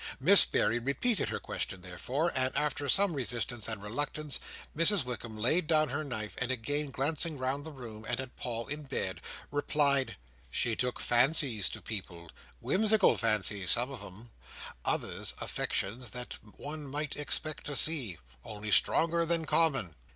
Miss Berry repeated her question, therefore; and after some resistance, and reluctance, Mrs Wickam laid down her knife, and again glancing round the room and at Paul in bed, replied: "She took fancies to people; whimsical fancies, some of them; others, affections that one might expect to see—only stronger than common.